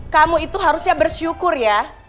kamu itu harusnya bersyukur ya